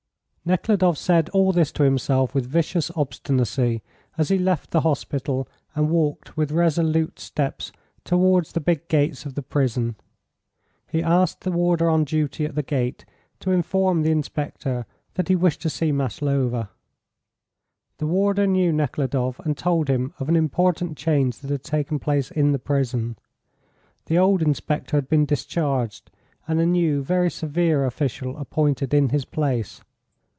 Nekhludoff said all this to himself with vicious obstinacy as he left the hospital and walked with resolute steps towards the big gates of the prison. He asked the warder on duty at the gate to inform the inspector that he wished to see Maslova. The warder knew Nekhludoff, and told him of an important change that had taken place in the prison. The old inspector had been discharged, and a new, very severe official appointed in his place.